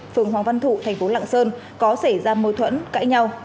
phường hoàng văn thụ thành phố lạng sơn có xảy ra mâu thuẫn cãi nhau